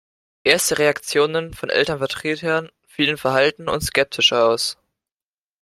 Erste Reaktionen von Elternvertretern fielen verhalten und skeptisch aus.